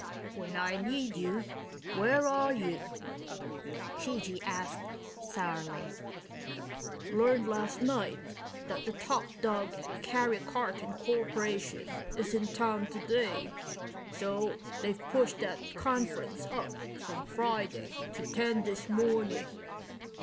"When I need you, where are you?" G.G. asked sourly. "Learned last night that the top dog at Karry Karton Korporation is in town today, so they've pushed that conference up from Friday to ten this morning.